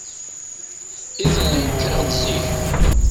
Iḍelli kkreɣ-d zik.